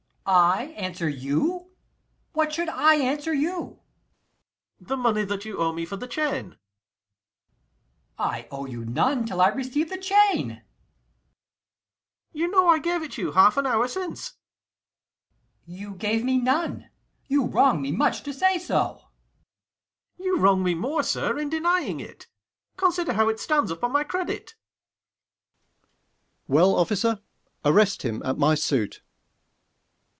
Ant. E. I answer you! what should I answer you? Ang. The money that you owe me for the chain. Ant. E. I owe you none till I receive the chain. Ang. You know I gave it you half an hour since. 65 Ant. E. You gave me none: you wrong me much to say so. Ang. You wrong me more, sir, in denying it: Consider how it stands upon my credit. Sec. Mer. Well, officer, arrest him at my suit.